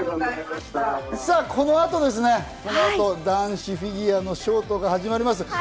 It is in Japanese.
この後ですね、男子フィギュアのショートが始まります。